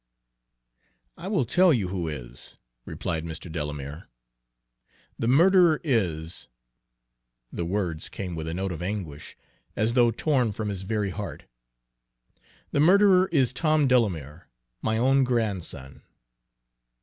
"I will tell you who is," replied Mr. Delamere. "The murderer is," the words came with a note of anguish, as though torn from his very heart, "the murderer is Tom Delamere, my own grandson!"